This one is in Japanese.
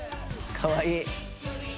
かわいい！